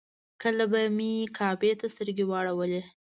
کله به مې کعبې ته سترګې واړولې.